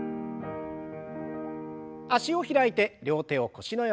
脚を開いて両手を腰の横。